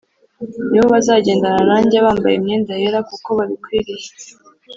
Ni bo bazagendana nanjye bambaye imyenda yera kuko babikwiriye.’